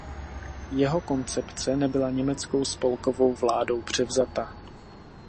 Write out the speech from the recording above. Jeho koncepce nebyla německou spolkovou vládou převzata.